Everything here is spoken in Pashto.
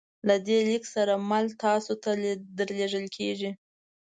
له دې لیک سره مل تاسو ته درلیږل کیږي